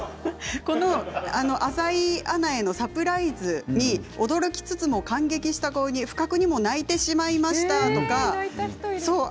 浅井アナへのサプライズに驚きつつも感激した顔に不覚にも泣いてしまいましたとか